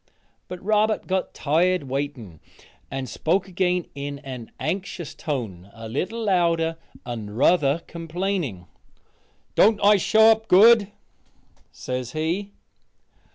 But Robert got tired waiting, and spoke again in an anxious tone, a little louder, and ruther complaining, "Don't I show up good?" says he.